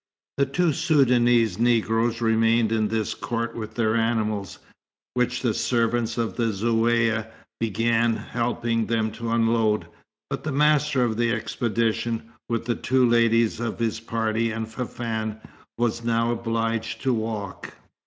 The two Soudanese Negroes remained in this court with their animals, which the servants of the Zaouïa, began helping them to unload; but the master of the expedition, with the two ladies of his party and Fafann, was now obliged to walk.